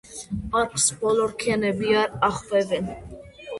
პარკს ბოლორქიანები არ ახვევენ.